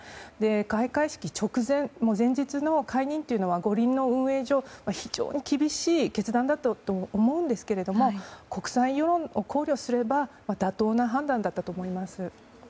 開会式直前前日の解任というのは五輪の運営上非常に厳しい決断だったと思うんですけど国際世論を考慮すれば妥当な判断だったと思います。